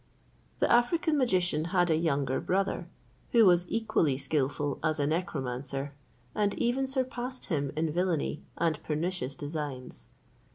The African magician had a younger brother, who was equally skilful as a necromancer, and even surpassed him in villany and pernicious designs.